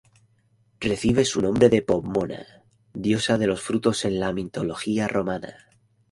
Recibe su nombre de Pomona, diosa de los frutos en la mitología romana.